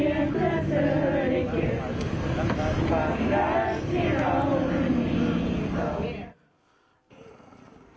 ความรักที่เรานั้นมีก็วิน